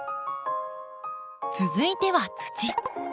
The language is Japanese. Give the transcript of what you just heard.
続いては土。